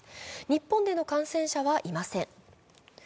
日本での感染者はいません。